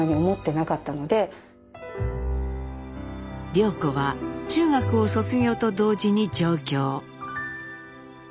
涼子は中学を卒業と同時に上京。